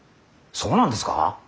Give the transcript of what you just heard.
そうなんですか。